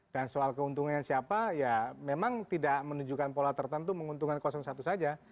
dan soal keuntungan siapa ya memang tidak menunjukkan pola tertentu menguntungkan satu saja